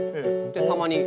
でたまに。